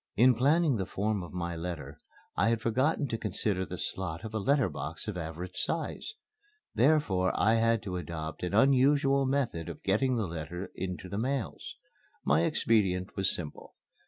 In planning the form of my letter I had forgotten to consider the slot of a letter box of average size. Therefore I had to adopt an unusual method of getting the letter into the mails. My expedient was simple.